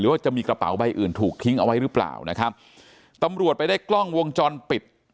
ว่าจะมีกระเป๋าใบอื่นถูกทิ้งเอาไว้หรือเปล่านะครับตำรวจไปได้กล้องวงจรปิด